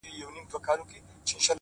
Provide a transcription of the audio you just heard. چي ورته سر ټيټ كړمه “ وژاړمه”